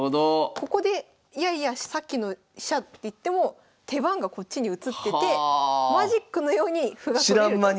ここでいやいやさっきの飛車っていっても手番がこっちに移っててマジックのように歩が取れる。